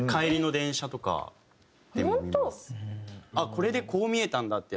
これでこう見えたんだって。